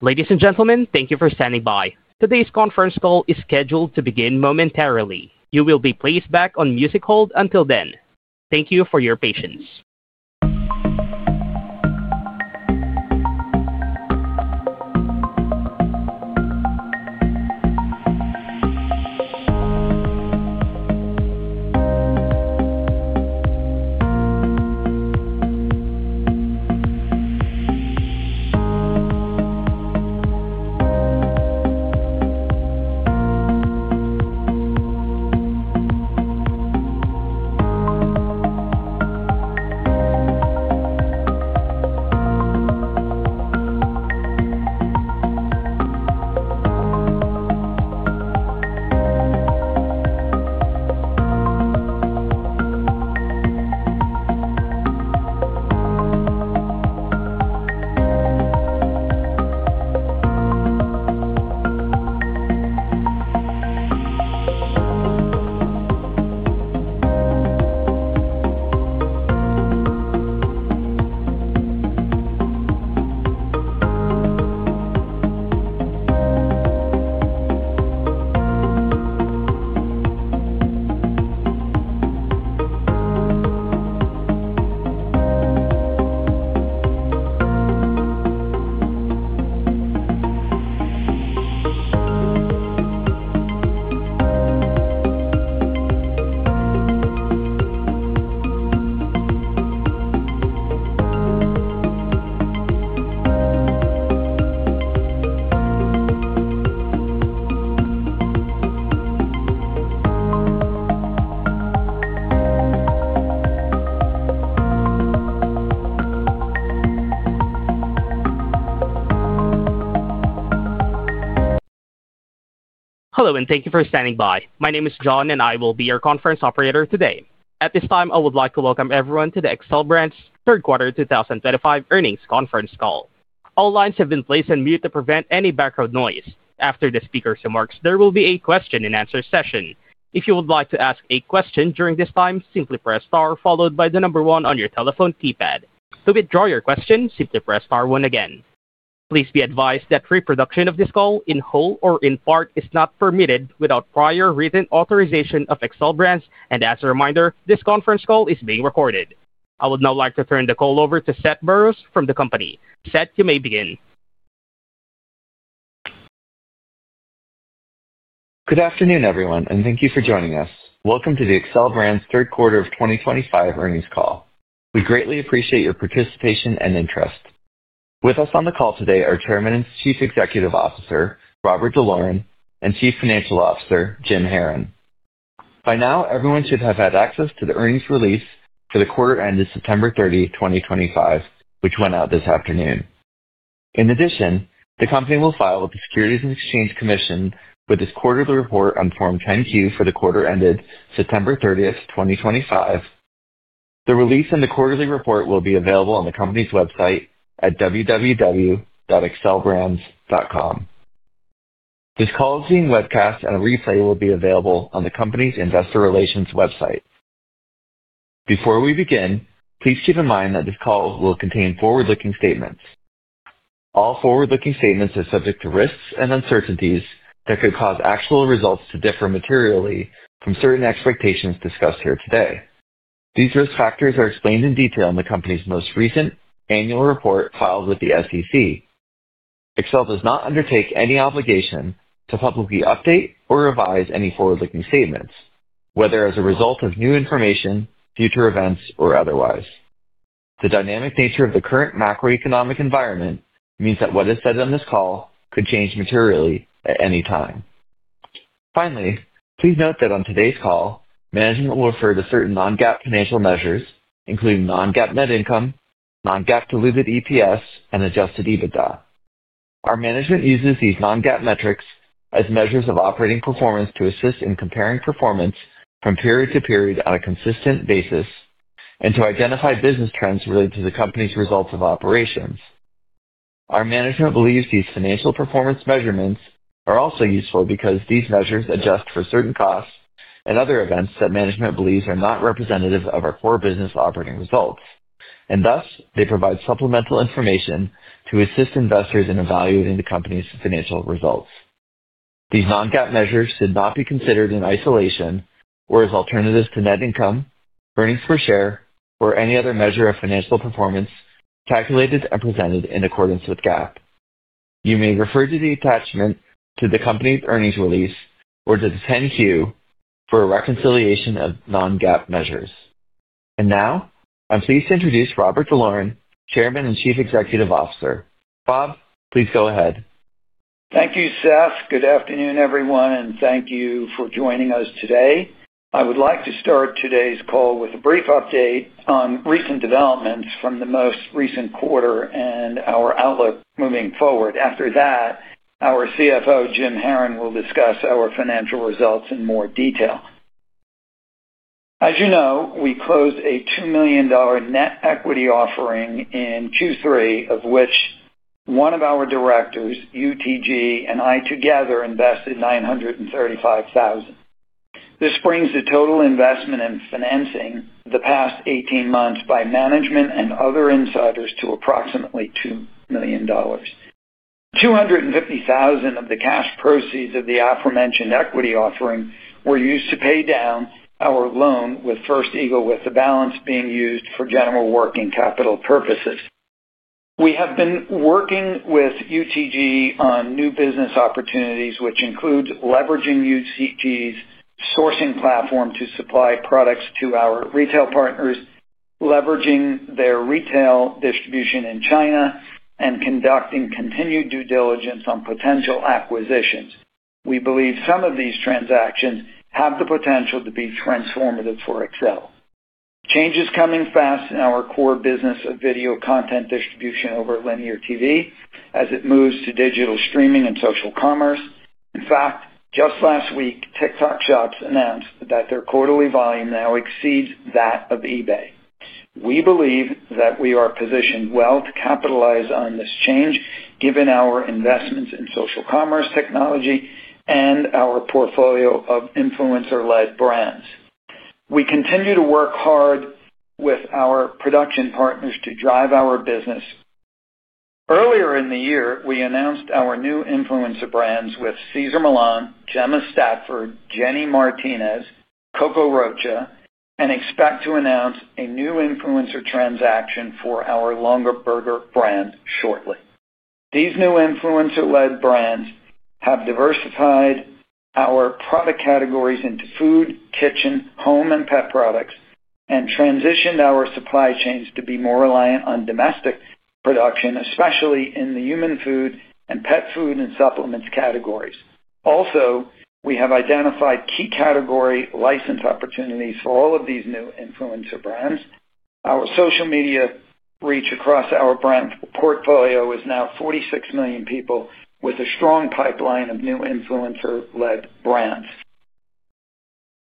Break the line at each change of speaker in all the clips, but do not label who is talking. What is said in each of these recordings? Ladies and gentlemen, thank you for standing by. Today's conference call is scheduled to begin momentarily. You will be placed back on music hold until then. Thank you for your patience. Hello, and thank you for standing by. My name is John, and I will be your conference operator today. At this time, I would like to welcome everyone to the Xcel Brands Q3 2025 earnings conference call. All lines have been placed on mute to prevent any background noise. After the speaker's remarks, there will be a question-and-answer session. If you would like to ask a question during this time, simply press * followed by the number 1 on your telephone keypad. To withdraw your question, simply press * again. Please be advised that reproduction of this call in whole or in part is not permitted without prior written authorization of Xcel Brands, and as a reminder, this conference call is being recorded. I would now like to turn the call over to Seth Burroughs from the company. Seth, you may begin.
Good afternoon, everyone, and thank you for joining us. Welcome to the Xcel Brands Q3 2025 earnings call. We greatly appreciate your participation and interest. With us on the call today are Chairman and Chief Executive Officer Robert D'Loren and Chief Financial Officer Jim Haran. By now, everyone should have had access to the earnings release for the quarter ended September 30, 2025, which went out this afternoon. In addition, the company will file with the Securities and Exchange Commission with its quarterly report on Form 10-Q for the quarter ended September 30, 2025. The release and the quarterly report will be available on the company's website at www.xcelbrands.com. This call is being webcast, and a replay will be available on the company's investor relations website. Before we begin, please keep in mind that this call will contain forward-looking statements. All forward-looking statements are subject to risks and uncertainties that could cause actual results to differ materially from certain expectations discussed here today. These risk factors are explained in detail in the company's most recent annual report filed with the SEC. Xcel does not undertake any obligation to publicly update or revise any forward-looking statements, whether as a result of new information, future events, or otherwise. The dynamic nature of the current macroeconomic environment means that what is said on this call could change materially at any time. Finally, please note that on today's call, management will refer to certain non-GAAP financial measures, including non-GAAP net income, non-GAAP diluted EPS, and adjusted EBITDA. Our management uses these non-GAAP metrics as measures of operating performance to assist in comparing performance from period to period on a consistent basis and to identify business trends related to the company's results of operations. Our management believes these financial performance measurements are also useful because these measures adjust for certain costs and other events that management believes are not representative of our core business operating results, and thus they provide supplemental information to assist investors in evaluating the company's financial results. These non-GAAP measures should not be considered in isolation or as alternatives to net income, earnings per share, or any other measure of financial performance calculated and presented in accordance with GAAP. You may refer to the attachment to the company's earnings release or to the 10-Q for a reconciliation of non-GAAP measures. Now, I'm pleased to introduce Robert D'Loren, Chairman and Chief Executive Officer. Bob, please go ahead.
Thank you, Seth. Good afternoon, everyone, and thank you for joining us today. I would like to start today's call with a brief update on recent developments from the most recent quarter and our outlook moving forward. After that, our CFO, Jim Haran, will discuss our financial results in more detail. As you know, we closed a $2 million net equity offering in Q3, of which one of our directors, UTG, and I together invested $935,000. This brings the total investment in financing the past 18 months by management and other insiders to approximately $2 million. $250,000 of the cash proceeds of the aforementioned equity offering were used to pay down our loan with First Eagle, with the balance being used for general work and capital purposes. We have been working with UTG on new business opportunities, which include leveraging UTG's sourcing platform to supply products to our retail partners, leveraging their retail distribution in China, and conducting continued due diligence on potential acquisitions. We believe some of these transactions have the potential to be transformative for Xcel. Change is coming fast in our core business of video content distribution over linear TV as it moves to digital streaming and social commerce. In fact, just last week, TikTok Shops announced that their quarterly volume now exceeds that of eBay. We believe that we are positioned well to capitalize on this change, given our investments in social commerce technology and our portfolio of influencer-led brands. We continue to work hard with our production partners to drive our business. Earlier in the year, we announced our new influencer brands with Cesar Millan, Gemma Stafford, Jenny Martinez, Coco Rocha, and expect to announce a new influencer transaction for our Longaberger brand shortly. These new influencer-led brands have diversified our product categories into food, kitchen, home, and pet products, and transitioned our supply chains to be more reliant on domestic production, especially in the human food and pet food and supplements categories. Also, we have identified key category license opportunities for all of these new influencer brands. Our social media reach across our brand portfolio is now 46 million people, with a strong pipeline of new influencer-led brands.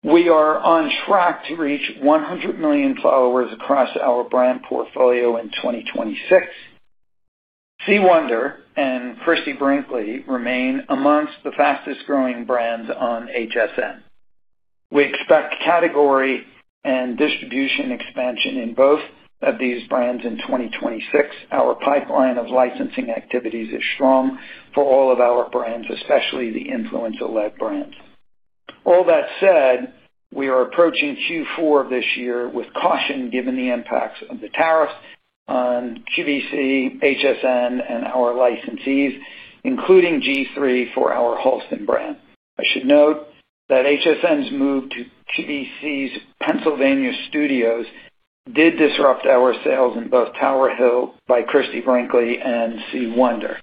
We are on track to reach 100 million followers across our brand portfolio in 2026. Sea Wonder and Christie Brinkley remain amongst the fastest-growing brands on HSN. We expect category and distribution expansion in both of these brands in 2026. Our pipeline of licensing activities is strong for all of our brands, especially the influencer-led brands. All that said, we are approaching Q4 of this year with caution given the impacts of the tariffs on QVC, HSN, and our licensees, including G-III for our Halston brand. I should note that HSN's move to QVC's Pennsylvania studios did disrupt our sales in both Tower Hill by Christie Brinkley and Sea Wonder.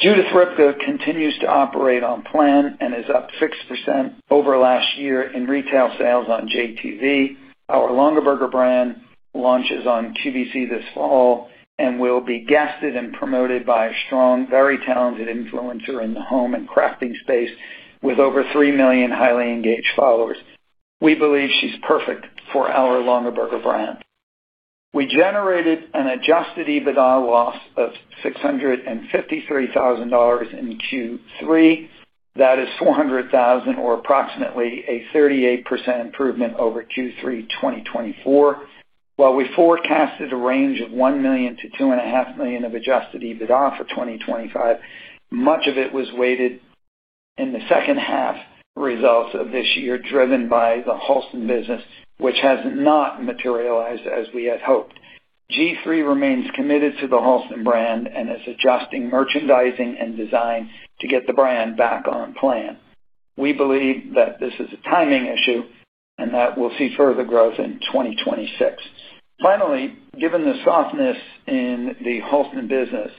Judith Ripka continues to operate on plan and is up 6% over last year in retail sales on JTV. Our Longaberger brand launches on QVC this fall and will be guested and promoted by a strong, very talented influencer in the home and crafting space with over 3 million highly engaged followers. We believe she's perfect for our Longaberger brand. We generated an adjusted EBITDA loss of $653,000 in Q3. That is $400,000, or approximately a 38% improvement over Q3 2024. While we forecasted a range of $1 million-$2.5 million of adjusted EBITDA for 2025, much of it was weighted in the second half results of this year, driven by the Halston business, which has not materialized as we had hoped. G-III remains committed to the Halston brand and is adjusting merchandising and design to get the brand back on plan. We believe that this is a timing issue and that we'll see further growth in 2026. Finally, given the softness in the Halston business,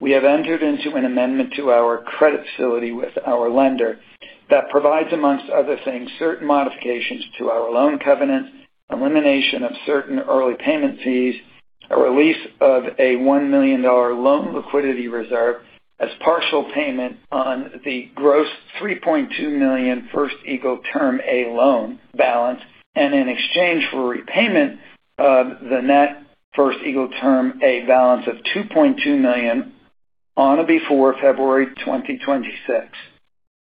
we have entered into an amendment to our credit facility with our lender that provides, amongst other things, certain modifications to our loan covenants, elimination of certain early payment fees, a release of a $1 million loan liquidity reserve as partial payment on the gross $3.2 million First Eagle Term A loan balance, and in exchange for repayment of the net First Eagle Term A balance of $2.2 million on or before February 2026.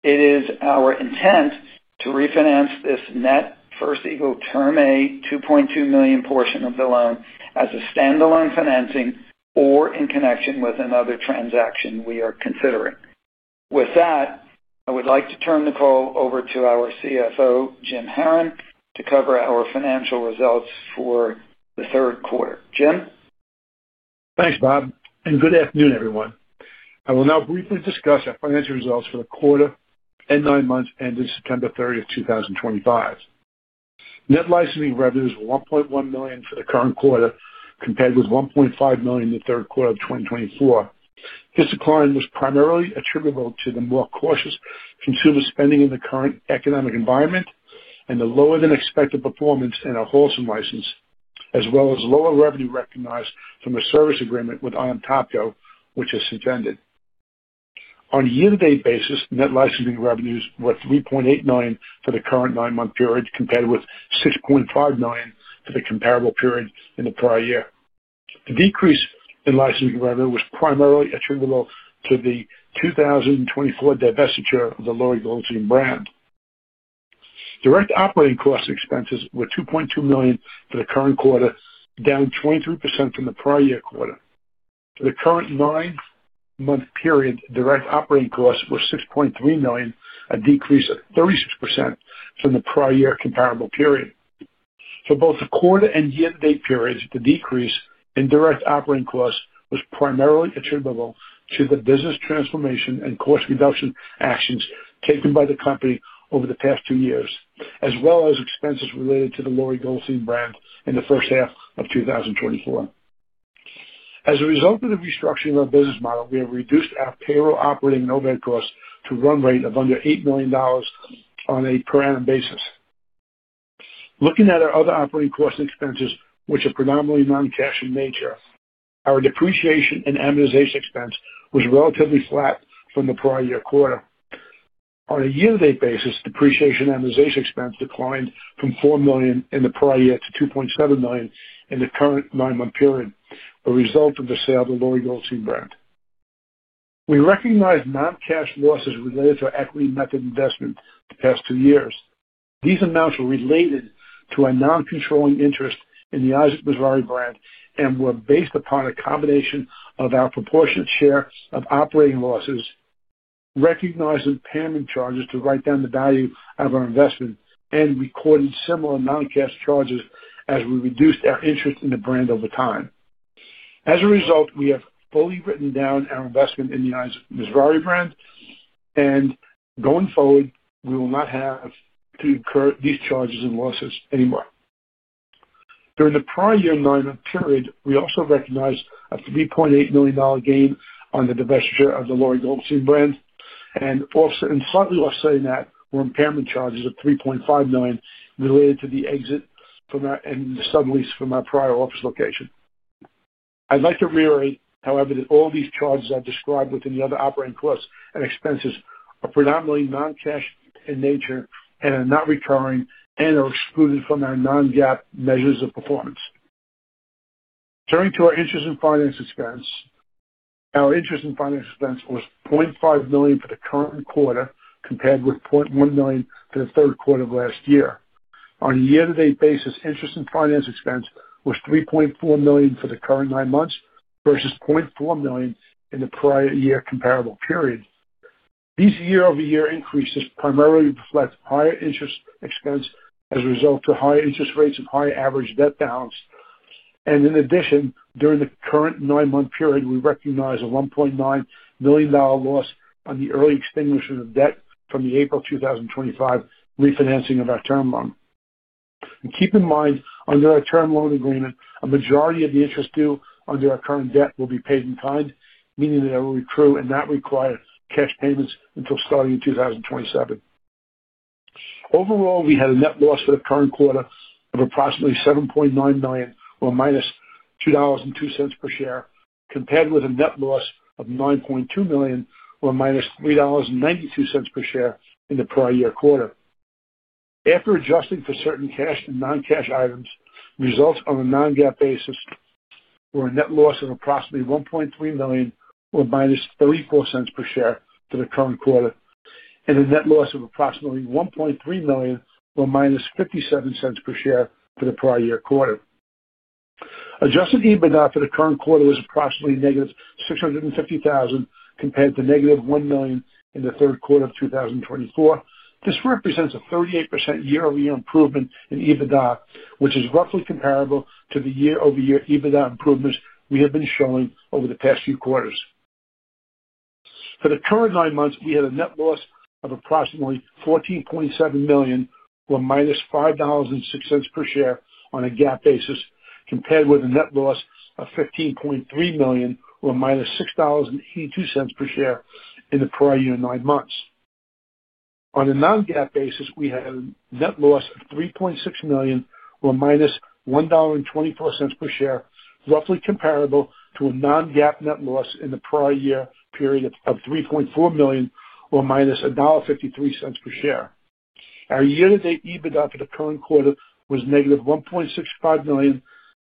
It is our intent to refinance this net First Eagle Term A $2.2 million portion of the loan as a standalone financing or in connection with another transaction we are considering. With that, I would like to turn the call over to our CFO, Jim Haran, to cover our financial results for the third quarter. Jim?
Thanks, Bob. Good afternoon, everyone. I will now briefly discuss our financial results for the quarter and nine months ended September 30th, 2025. Net licensing revenues were $1.1 million for the current quarter, compared with $1.5 million in the third quarter of 2024. This decline was primarily attributable to the more cautious consumer spending in the current economic environment and the lower-than-expected performance in our Halston license, as well as lower revenue recognized from a service agreement with Ion Topco, which has suspended. On a year-to-date basis, net licensing revenues were $3.8 million for the current nine-month period, compared with $6.5 million for the comparable period in the prior year. The decrease in licensing revenue was primarily attributable to the 2024 divestiture of the Lori Goldstein brand. Direct operating cost expenses were $2.2 million for the current quarter, down 23% from the prior year quarter. For the current nine-month period, direct operating costs were $6.3 million, a decrease of 36% from the prior year comparable period. For both the quarter and year-to-date periods, the decrease in direct operating costs was primarily attributable to the business transformation and cost reduction actions taken by the company over the past two years, as well as expenses related to the Lori Goldstein brand in the first half of 2024. As a result of the restructuring of our business model, we have reduced our payroll operating and overhead costs to a run rate of under $8 million on a per annum basis. Looking at our other operating costs and expenses, which are predominantly non-cash in nature, our depreciation and amortization expense was relatively flat from the prior year quarter. On a year-to-date basis, depreciation and amortization expense declined from $4 million in the prior year to $2.7 million in the current nine-month period, a result of the sale of the Lori Goldstein brand. We recognized non-cash losses related to our equity method investment the past two years. These amounts were related to our non-controlling interest in the Isaac Mizrahi brand and were based upon a combination of our proportionate share of operating losses, recognized impairment charges to write down the value of our investment, and recorded similar non-cash charges as we reduced our interest in the brand over time. As a result, we have fully written down our investment in the Isaac Mizrahi brand, and going forward, we will not have to incur these charges and losses anymore. During the prior year nine-month period, we also recognized a $3.8 million gain on the divestiture of the Lori Goldstein brand, and slightly offsetting that were impairment charges of $3.5 million related to the exit and the sublease from our prior office location. I'd like to reiterate, however, that all these charges I've described within the other operating costs and expenses are predominantly non-cash in nature and are not recurring and are excluded from our non-GAAP measures of performance. Turning to our interest and finance expense, our interest and finance expense was $0.5 million for the current quarter, compared with $0.1 million for the third quarter of last year. On a year-to-date basis, interest and finance expense was $3.4 million for the current nine months versus $0.4 million in the prior year comparable period. These year-over-year increases primarily reflect higher interest expense as a result of higher interest rates and higher average debt balance. In addition, during the current nine-month period, we recognize a $1.9 million loss on the early extinguishment of debt from the April 2025 refinancing of our term loan. Keep in mind, under our term loan agreement, a majority of the interest due under our current debt will be paid in kind, meaning that it will accrue and not require cash payments until starting in 2027. Overall, we had a net loss for the current quarter of approximately $7.9 million, or minus $2.02 per share, compared with a net loss of $9.2 million, or minus $3.92 per share in the prior year quarter. After adjusting for certain cash and non-cash items, results on a non-GAAP basis were a net loss of approximately $1.3 million, or minus $0.34 per share for the current quarter, and a net loss of approximately $1.3 million, or minus $0.57 per share for the prior year quarter. Adjusted EBITDA for the current quarter was approximately negative $650,000, compared to - $1 million in the third quarter of 2024. This represents a 38% year-over-year improvement in EBITDA, which is roughly comparable to the year-over-year EBITDA improvements we have been showing over the past few quarters. For the current nine months, we had a net loss of approximately $14.7 million, or minus $5.06 per share on a GAAP basis, compared with a net loss of $15.3 million, or minus $6.82 per share in the prior year nine months. On a non-GAAP basis, we had a net loss of $3.6 million, or minus $1.24 per share, roughly comparable to a non-GAAP net loss in the prior year period of $3.4 million, or minus $1.53 per share. Our year-to-date EBITDA for the current quarter was negative $1.65 million,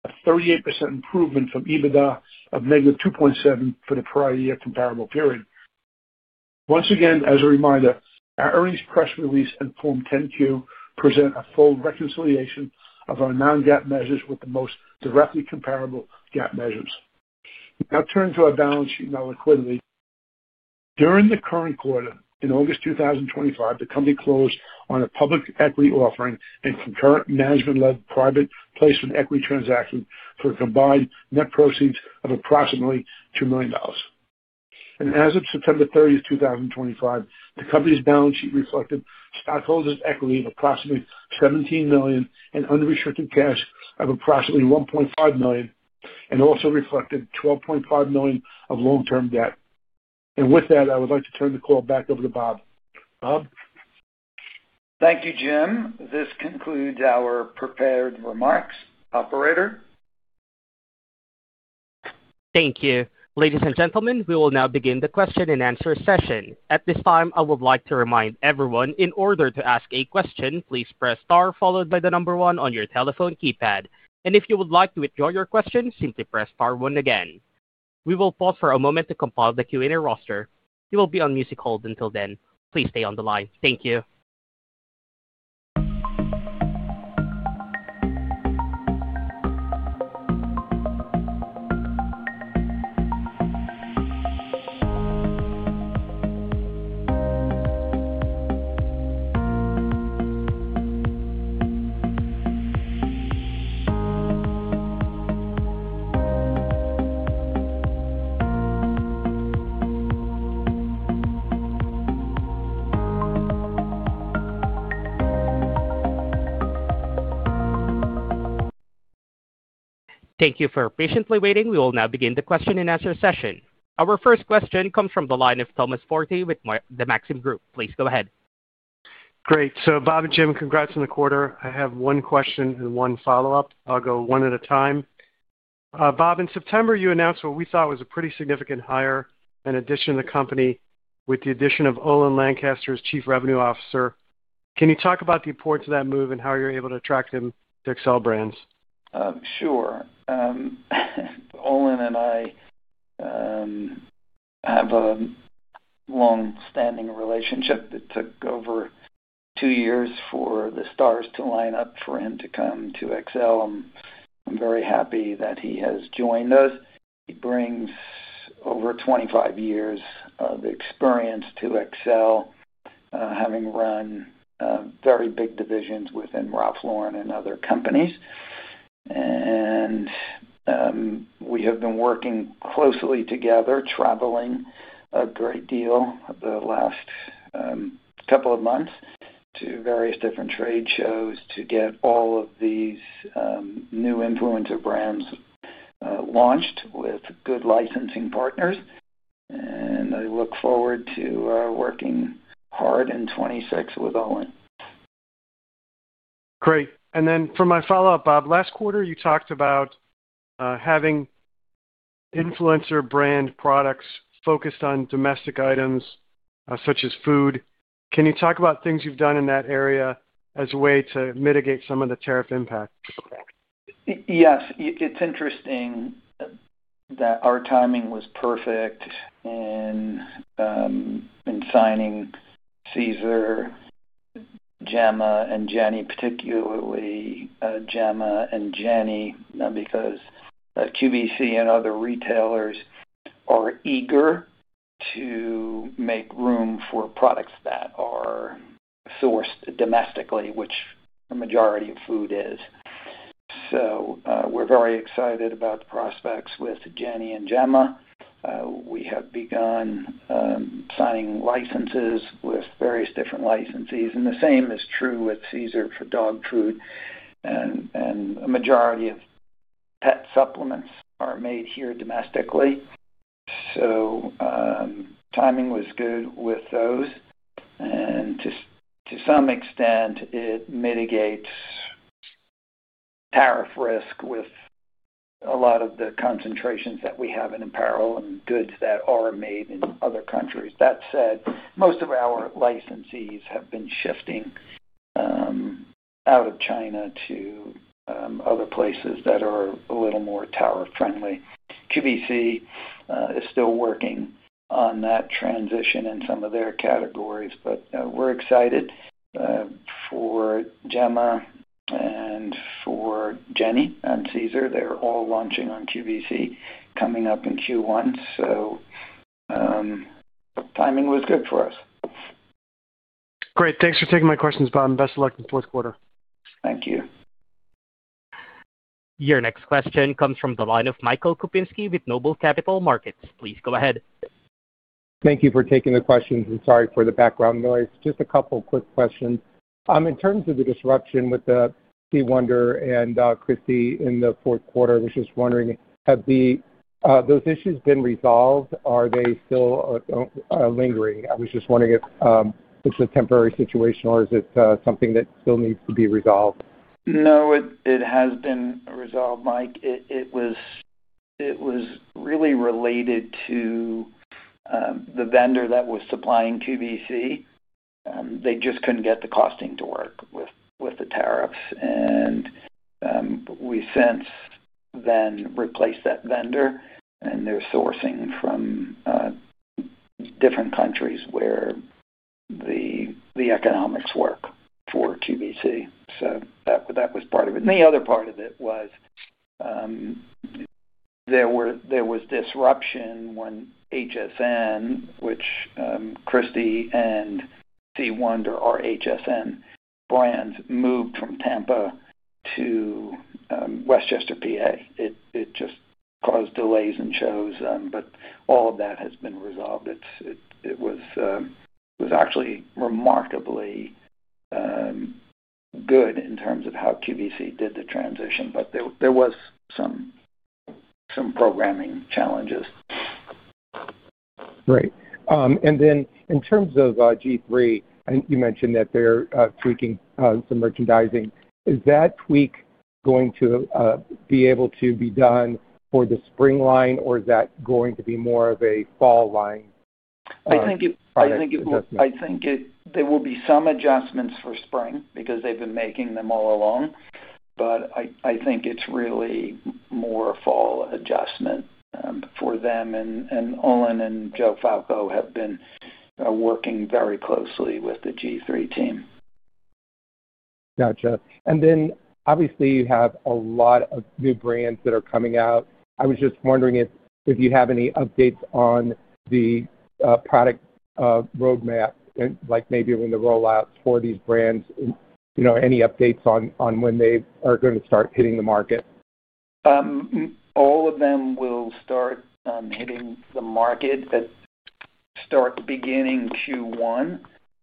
a 38% improvement from EBITDA of negative $2.7 million for the prior year comparable period. Once again, as a reminder, our earnings press release and Form 10-Q present a full reconciliation of our non-GAAP measures with the most directly comparable GAAP measures. Now, turning to our balance sheet and our liquidity. During the current quarter, in August 2025, the company closed on a public equity offering and concurrent management-led private placement equity transaction for a combined net proceeds of approximately $2 million. As of September 30, 2025, the company's balance sheet reflected stockholders' equity of approximately $17 million and unrestricted cash of approximately $1.5 million, and also reflected $12.5 million of long-term debt. With that, I would like to turn the call back over to Bob. Bob?
Thank you, Jim. This concludes our prepared remarks. Operator?
Thank you. Ladies and gentlemen, we will now begin the question and answer session. At this time, I would like to remind everyone, in order to ask a question, please press star followed by the number one on your telephone keypad. If you would like to withdraw your question, simply press star one again. We will pause for a moment to compile the Q&A roster. You will be on music hold until then. Please stay on the line. Thank you. Thank you for patiently waiting. We will now begin the question and answer session. Our first question comes from the line of Thomas Forte with the Maxim Group. Please go ahead.
Great. Bob and Jim, congrats on the quarter. I have one question and one follow-up. I'll go one at a time. Bob, in September, you announced what we thought was a pretty significant hire and addition to the company with the addition of Olin Lancaster as Chief Revenue Officer. Can you talk about the importance of that move and how you're able to attract him to Xcel Brands?
Sure. Olin and I have a long-standing relationship that took over two years for the stars to line up for him to come to Xcel. I'm very happy that he has joined us. He brings over 25 years of experience to Xcel, having run very big divisions within Ralph Lauren and other companies. We have been working closely together, traveling a great deal the last couple of months to various different trade shows to get all of these new influencer brands launched with good licensing partners. I look forward to working hard in 2026 with Olin.
Great. For my follow-up, Bob, last quarter, you talked about having influencer brand products focused on domestic items such as food. Can you talk about things you've done in that area as a way to mitigate some of the tariff impact?
Yes. It's interesting that our timing was perfect in signing Cesar, Gemma, and Jenny, particularly Gemma and Jenny, because QVC and other retailers are eager to make room for products that are sourced domestically, which the majority of food is. We are very excited about the prospects with Jenny and Gemma. We have begun signing licenses with various different licensees. The same is true with Cesar for dog food. A majority of pet supplements are made here domestically. Timing was good with those. To some extent, it mitigates tariff risk with a lot of the concentrations that we have in apparel and goods that are made in other countries. That said, most of our licensees have been shifting out of China to other places that are a little more tariff-friendly. QVC is still working on that transition in some of their categories, but we're excited for Gemma and for Jenny and Cesar. They're all launching on QVC, coming up in Q1. Timing was good for us.
Great. Thanks for taking my questions, Bob. Best of luck in the fourth quarter.
Thank you.
Your next question comes from the line of Michael Kupinski with Noble Capital Markets. Please go ahead.
Thank you for taking the questions. Sorry for the background noise. Just a couple of quick questions. In terms of the disruption with Sea Wonder and Christie in the fourth quarter, I was just wondering, have those issues been resolved? Are they still lingering? I was just wondering if it's a temporary situation or is it something that still needs to be resolved?
No, it has been resolved, Mike. It was really related to the vendor that was supplying QVC. They just could not get the costing to work with the tariffs. We since then replaced that vendor, and they are sourcing from different countries where the economics work for QVC. That was part of it. The other part of it was there was disruption when HSN, which Christie and Sea Wonder are HSN brands, moved from Tampa to West Chester, PA. It just caused delays in shows. All of that has been resolved. It was actually remarkably good in terms of how QVC did the transition, but there were some programming challenges.
Great. In terms of G-III, I think you mentioned that they're tweaking some merchandising. Is that tweak going to be able to be done for the spring line, or is that going to be more of a fall line?
I think it will be some adjustments for spring because they've been making them all along. I think it's really more a fall adjustment for them. Olin and Joe Falco have been working very closely with the G-III team.
Gotcha. Obviously, you have a lot of new brands that are coming out. I was just wondering if you have any updates on the product roadmap, like maybe when the rollouts for these brands, any updates on when they are going to start hitting the market?
All of them will start hitting the market at the beginning of Q1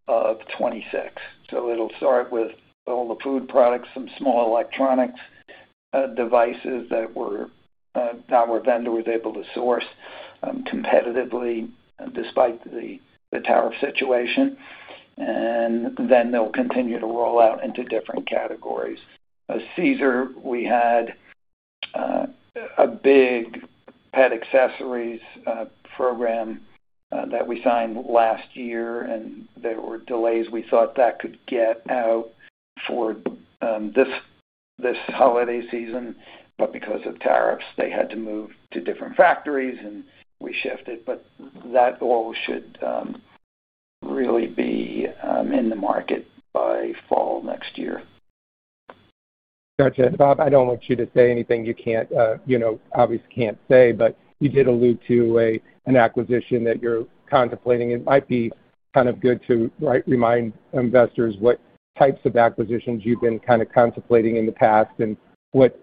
of 2026. It will start with all the food products, some small electronics devices that our vendor was able to source competitively despite the tariff situation. They will continue to roll out into different categories. Cesar, we had a big pet accessories program that we signed last year, and there were delays. We thought that could get out for this holiday season, but because of tariffs, they had to move to different factories, and we shifted. That all should really be in the market by fall next year.
Gotcha. Bob, I do not want you to say anything you obviously cannot say, but you did allude to an acquisition that you are contemplating. It might be kind of good to remind investors what types of acquisitions you have been kind of contemplating in the past and what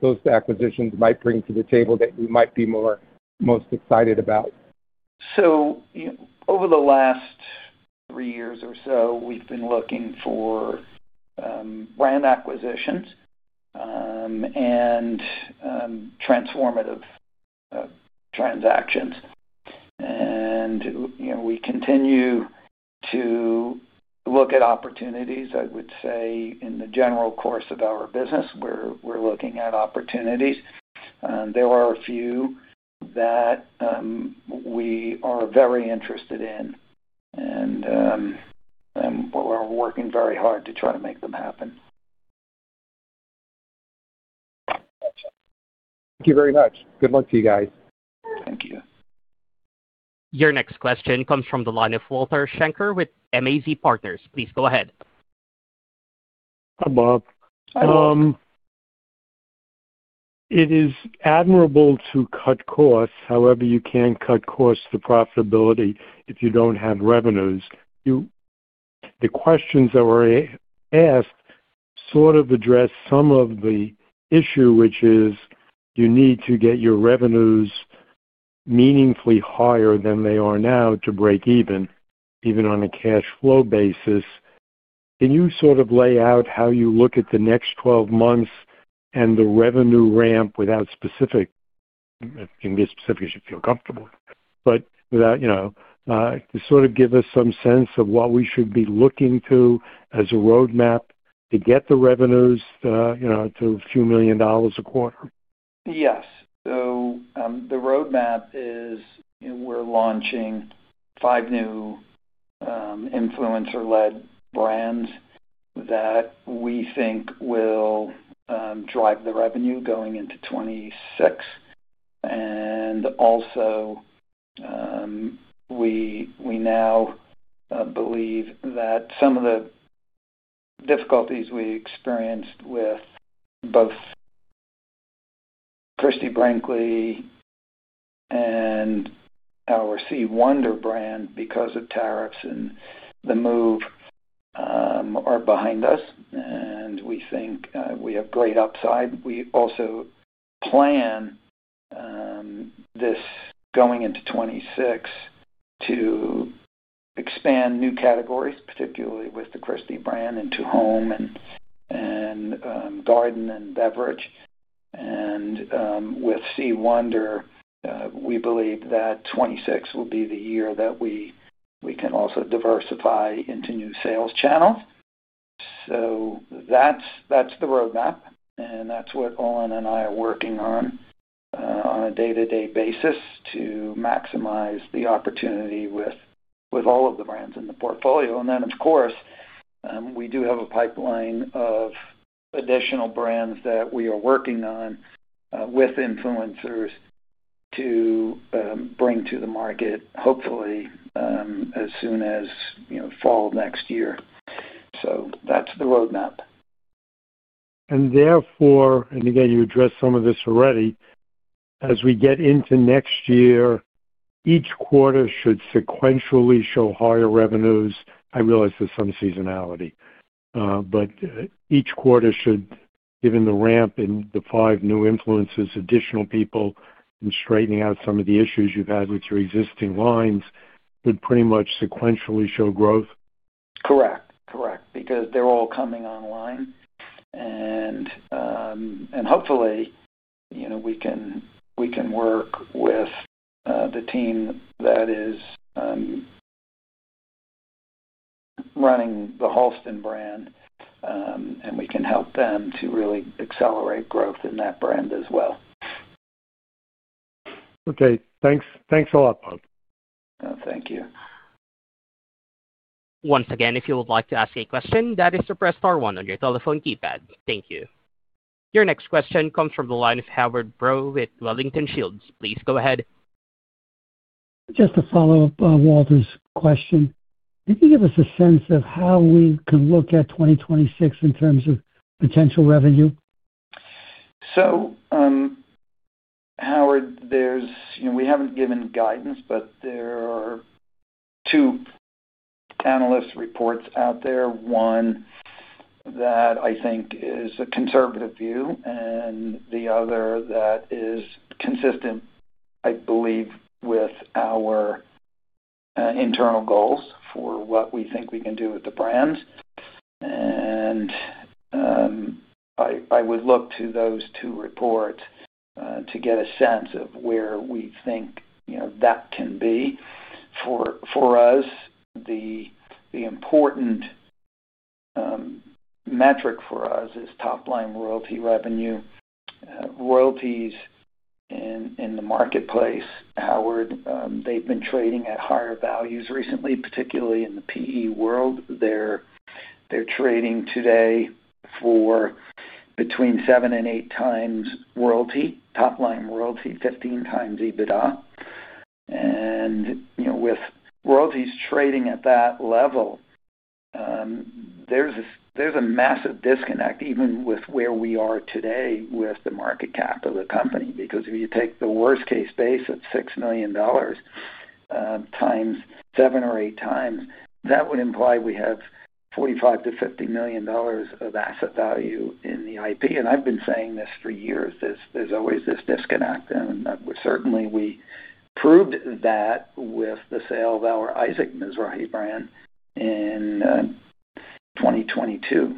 those acquisitions might bring to the table that you might be most excited about.
Over the last three years or so, we've been looking for brand acquisitions and transformative transactions. We continue to look at opportunities. I would say in the general course of our business, we're looking at opportunities. There are a few that we are very interested in, and we're working very hard to try to make them happen.
Thank you very much. Good luck to you guys.
Thank you.
Your next question comes from the line of Walter Schenker with MAZ Partners. Please go ahead.
Hi, Bob. It is admirable to cut costs however you can cut costs to profitability if you do not have revenues. The questions that were asked sort of address some of the issue, which is you need to get your revenues meaningfully higher than they are now to break even, even on a cash flow basis. Can you sort of lay out how you look at the next 12 months and the revenue ramp without specific—and be as specific as you feel comfortable—but without to sort of give us some sense of what we should be looking to as a roadmap to get the revenues to a few million dollars a quarter?
Yes. The roadmap is we're launching five new influencer-led brands that we think will drive the revenue going into 2026. We now believe that some of the difficulties we experienced with both Christie Brinkley and our Sea Wonder brand because of tariffs and the move are behind us. We think we have great upside. We also plan going into 2026 to expand new categories, particularly with the Christie brand into home and garden and beverage. With Sea Wonder, we believe that 2026 will be the year that we can also diversify into new sales channels. That is the roadmap. That is what Olin and I are working on on a day-to-day basis to maximize the opportunity with all of the brands in the portfolio. Of course, we do have a pipeline of additional brands that we are working on with influencers to bring to the market, hopefully, as soon as fall next year. That is the roadmap.
Therefore, and again, you addressed some of this already, as we get into next year, each quarter should sequentially show higher revenues. I realize there's some seasonality, but each quarter should, given the ramp in the five new influencers, additional people, and straightening out some of the issues you've had with your existing lines, would pretty much sequentially show growth?
Correct. Correct. Because they're all coming online. Hopefully, we can work with the team that is running the Halston brand, and we can help them to really accelerate growth in that brand as well.
Okay. Thanks a lot, Bob.
Thank you.
Once again, if you would like to ask a question, that is to press star one on your telephone keypad. Thank you. Your next question comes from the line of Howard Brous with Wellington Shields. Please go ahead.
Just to follow up Walter's question, can you give us a sense of how we can look at 2026 in terms of potential revenue?
Howard, we have not given guidance, but there are two analyst reports out there. One that I think is a conservative view and the other that is consistent, I believe, with our internal goals for what we think we can do with the brands. I would look to those two reports to get a sense of where we think that can be for us. The important metric for us is top-line royalty revenue. Royalties in the marketplace, Howard, they have been trading at higher values recently, particularly in the PE world. They are trading today for between seven and eight times royalty, top-line royalty, 15 times EBITDA. With royalties trading at that level, there is a massive disconnect even with where we are today with the market cap of the company. Because if you take the worst-case base of $6 million times seven or eight times, that would imply we have $45-$50 million of asset value in the IP. I have been saying this for years. There is always this disconnect. Certainly, we proved that with the sale of our Isaac Mizrahi brand in 2022.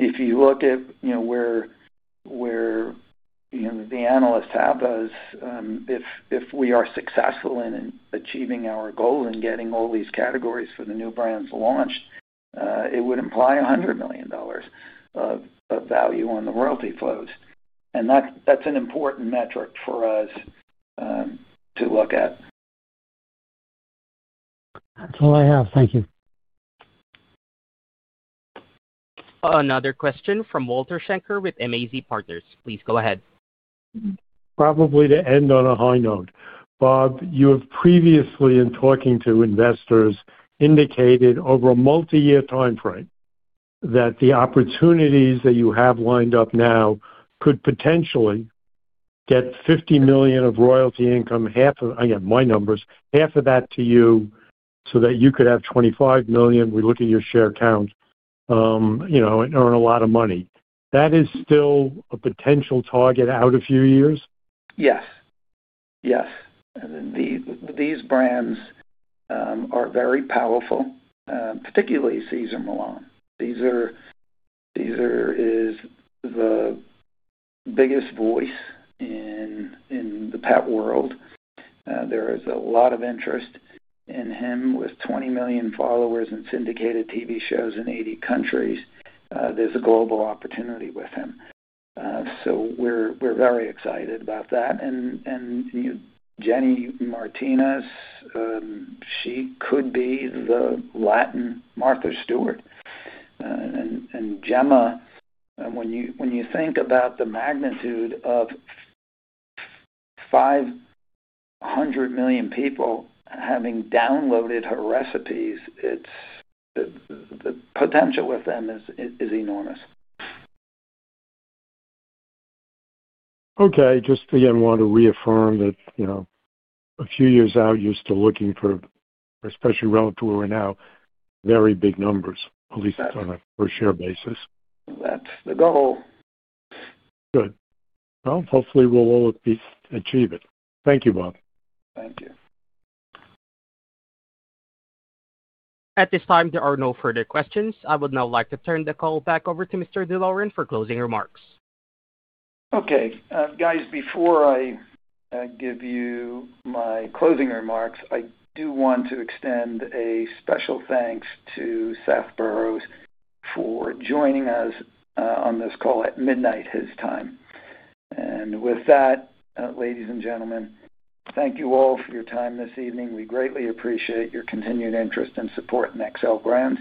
If you look at where the analysts have us, if we are successful in achieving our goal and getting all these categories for the new brands launched, it would imply $100 million of value on the royalty flows. That is an important metric for us to look at.
That's all I have. Thank you.
Another question from Walter Schenker with MAZ Partners. Please go ahead.
Probably to end on a high note. Bob, you have previously, in talking to investors, indicated over a multi-year timeframe that the opportunities that you have lined up now could potentially get $50 million of royalty income, half of—again, my numbers—half of that to you so that you could have $25 million. We look at your share count and earn a lot of money. That is still a potential target out a few years?
Yes. Yes. These brands are very powerful, particularly Cesar Millan. Cesar is the biggest voice in the pet world. There is a lot of interest in him with 20 million followers and syndicated TV shows in 80 countries. There is a global opportunity with him. We are very excited about that. Jenny Martinez, she could be the Latin Martha Stewart. Gemma, when you think about the magnitude of 500 million people having downloaded her recipes, the potential with them is enormous.
Okay. Just again, want to reaffirm that a few years out, you're still looking for, especially relative to where we're now, very big numbers, at least on a per-share basis.
That's the goal.
Good. Hopefully, we'll all at least achieve it. Thank you, Bob.
Thank you.
At this time, there are no further questions. I would now like to turn the call back over to Mr. D'Loren for closing remarks.
Okay. Guys, before I give you my closing remarks, I do want to extend a special thanks to Seth Burroughs for joining us on this call at midnight his time. With that, ladies and gentlemen, thank you all for your time this evening. We greatly appreciate your continued interest and support in Xcel Brands.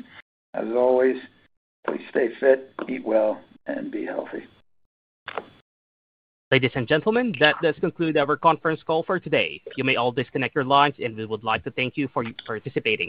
As always, please stay fit, eat well, and be healthy.
Ladies and gentlemen, that does conclude our conference call for today. You may all disconnect your lines, and we would like to thank you for participating.